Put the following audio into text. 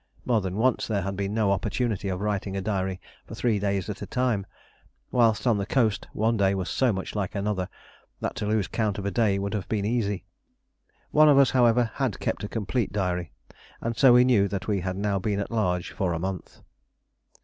More than once there had been no opportunity of writing a diary for three days at a time; whilst on the coast one day was so much like another that to lose count of a day would have been easy. One of us, however, had kept a complete diary, and so we knew that we had now been at large for a month.